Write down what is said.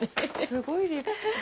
すごい立派。